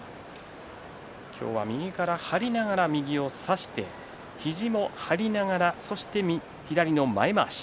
今日は右から張りながら右を差して肘を張りながらそして左の前まわし。